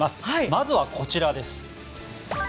まずはこちらです。